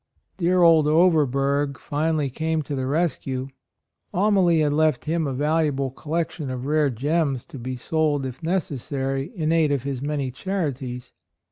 Dear old Overberg finally came to the rescue. Amalie had left him a valuable collection of rare gems to be sold if necessary in aid of his many charities.